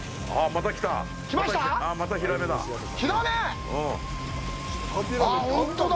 またヒラメだ。